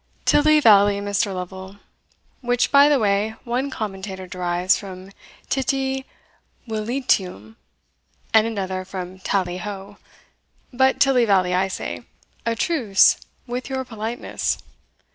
"Tilley valley, Mr. Lovel, which, by the way, one commentator derives from tittivillitium, and another from talley ho but tilley valley, I say a truce with your politeness.